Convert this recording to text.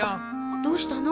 どうしたの？